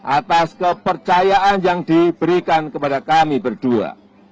atas kepercayaan yang diberikan kepada kami berdua